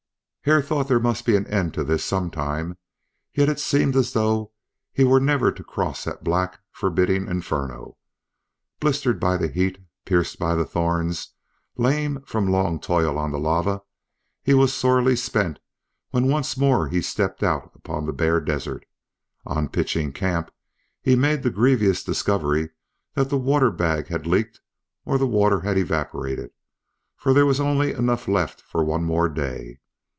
Hare thought there must be an end to it some time, yet it seemed as though he were never to cross that black forbidding inferno. Blistered by the heat, pierced by the thorns, lame from long toil on the lava, he was sorely spent when once more he stepped out upon the bare desert. On pitching camp he made the grievous discovery that the water bag had leaked or the water had evaporated, for there was only enough left for one more day.